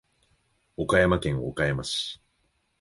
岡山県岡山市